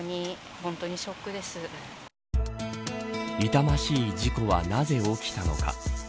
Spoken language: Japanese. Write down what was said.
痛ましい事故はなぜ起きたのか。